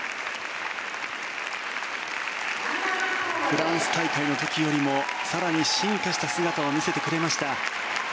フランス大会の時よりも更に進化した姿を見せてくれました。